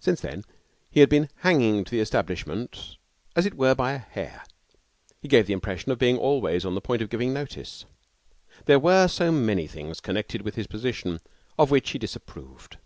Since then he had been hanging to the establishment as it were by a hair. He gave the impression of being always on the point of giving notice. There were so many things connected with his position of which he disapproved.